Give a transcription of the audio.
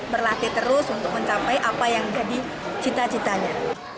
berlatih terus untuk mencapai apa yang jadi cita citanya